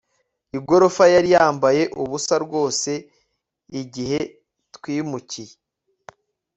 igorofa yari yambaye ubusa rwose igihe twimukiye